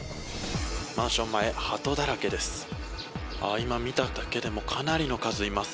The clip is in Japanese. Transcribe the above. マンション前ハトだらけです。